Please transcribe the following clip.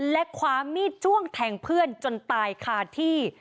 และคว้ามีดจ้วงแทงเพื่อนจนตายคาที่